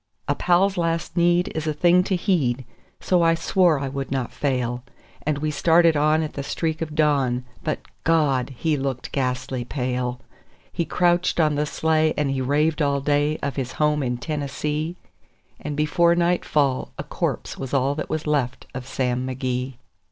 A pal's last need is a thing to heed, so I swore I would not fail; And we started on at the streak of dawn; but God! he looked ghastly pale. He crouched on the sleigh, and he raved all day of his home in Tennessee; And before nightfall a corpse was all that was left of Sam McGee.